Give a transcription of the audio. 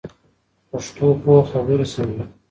پښتو پوهه خبري سموي.